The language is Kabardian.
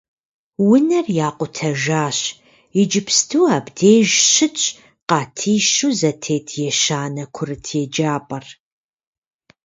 Унэр якъутэжащ, иджыпсту абдеж щытщ къатищу зэтет ещанэ курыт еджапӏэр.